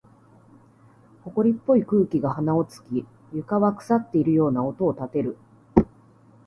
埃っぽい空気が鼻を突き、床は腐っているような音を立てる。